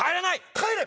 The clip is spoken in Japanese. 帰れ！